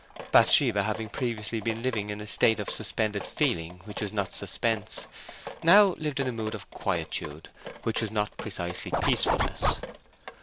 Bathsheba, having previously been living in a state of suspended feeling which was not suspense, now lived in a mood of quietude which was not precisely peacefulness.